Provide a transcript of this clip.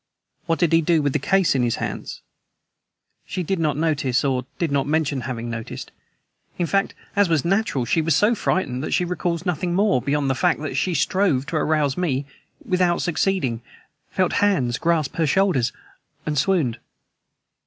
"What did he do with the case in his hands?" "She did not notice or did not mention having noticed. In fact, as was natural, she was so frightened that she recalls nothing more, beyond the fact that she strove to arouse me, without succeeding, felt hands grasp her shoulders and swooned."